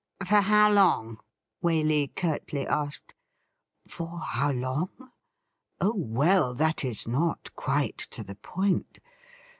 ' For how long ?' Waley curtly asked. ' For how long ? Oh, well, that is not quite to the point.